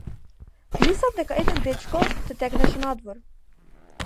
Мислам дека еден дечко те тегнеше надвор.